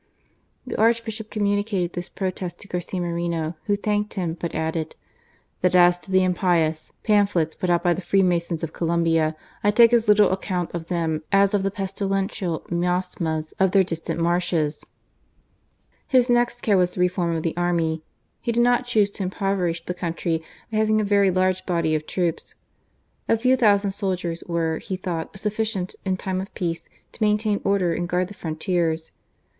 " The Archbishop communicated this protest to Garcia Moreno, who thanked him, but added, That as to the impious pamphlets put out by the Free masons of Colombia, I take as little account of them as of the pestilential miasmas of their distant marshes." THE CLERGY, THE ARMY, AND THE MAGISTRACY. 223 His next care was the reform of the army. He did not choose to impoverish the country by having a very large body of troops. A few thousand soldiers were, he thought, sufficient, in time of peace, to maintain order and guard the frontiers.